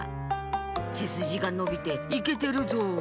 『せすじがのびていけてるぞ！』